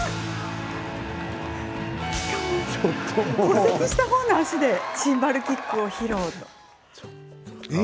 骨折した足でシンバルキックを披露。